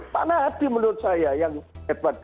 pak nadie menurut saya yang hebat